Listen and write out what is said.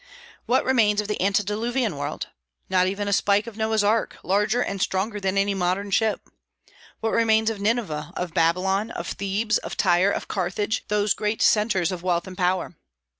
What remains of the antediluvian world? not even a spike of Noah's ark, larger and stronger than any modern ship. What remains of Nineveh, of Babylon, of Thebes, of Tyre, of Carthage, those great centres of wealth and power?